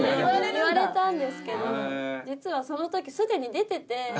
言われたんですけど実はその時既に出てて。